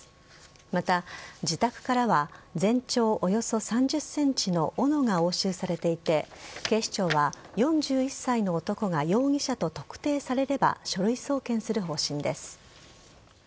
また、自宅からは全長およそ３０ｃｍの斧が押収されていて警視庁は、４１歳の男が容疑者と特定されれば書類送検する方針です。